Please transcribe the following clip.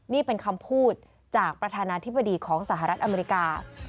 นี่เป็นคำพูดจากประธานาธิบดีของสหรัฐอเมริกา